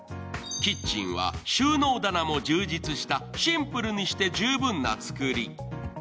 キッチンは収納棚も充実したシンプルにして十分なつくり。